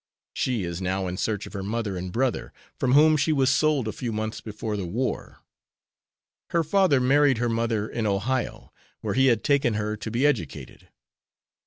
She is now in search of her mother and brother, from whom she was sold a few months before the war. Her father married her mother in Ohio, where he had taken her to be educated.